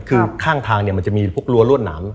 คือข้างทางมันจะมีพวกรั้วรวดหนาม